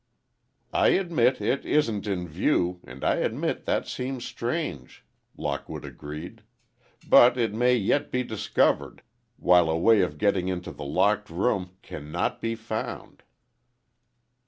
"I admit it isn't in view—and I admit that seems strange," Lockwood agreed, "but it may yet be discovered, while a way of getting into a locked room cannot be found."